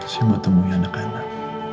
saya mau temui anak anak